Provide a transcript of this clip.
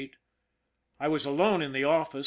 I was alone in the office.